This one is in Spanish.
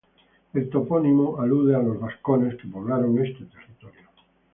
El topónimo alude a los vascones, que poblaron este territorio.